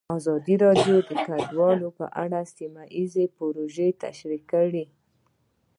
ازادي راډیو د کډوال په اړه سیمه ییزې پروژې تشریح کړې.